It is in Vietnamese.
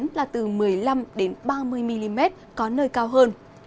tức là từ một mươi năm đến ba mươi mm có nơi cao hơn